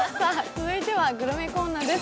続いてはグルメコーナーです。